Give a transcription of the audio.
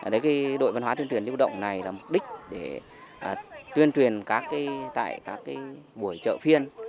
cái đội văn hóa tuyên truyền lưu động này là mục đích để tuyên truyền tại các buổi chợ phiên